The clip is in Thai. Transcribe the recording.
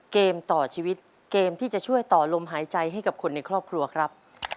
เกมต่อชีวิตเกมที่จะช่วยต่อลมหายใจให้กับคนในครอบครัวครับ